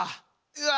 うわ。